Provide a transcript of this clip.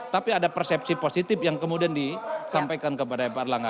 tapi ada persepsi positif yang kemudian disampaikan kepada pak erlangga